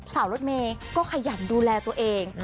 สาวรดเมก็ขยันดูแลตัวเอง